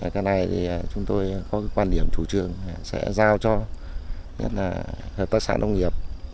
cái này chúng tôi có quan điểm chủ trường sẽ giao cho hợp tác sản đông nghiệp